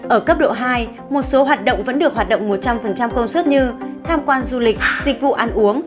ở cấp độ hai một số hoạt động vẫn được hoạt động một trăm linh công suất như tham quan du lịch dịch vụ ăn uống